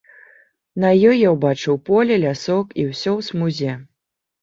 На ёй я ўбачыў поле, лясок і ўсё ў смузе.